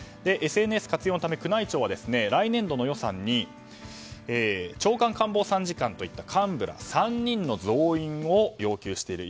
ＳＮＳ活用のため宮内庁は来年度の予算に長官官房参事官といった幹部ら３人の増員を要求している。